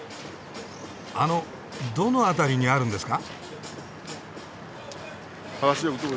あのどの辺りにあるんですか？